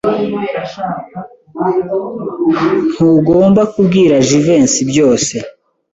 icyo gihe ari ku wa gatanu.